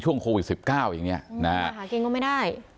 ช่วงโควิด๑๙อย่างนี้